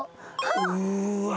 うわ。